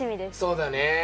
そうだね。